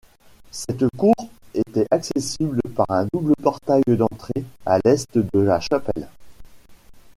Cette cour était accessible par un double portail d’entrée à l’Est de la chapelle.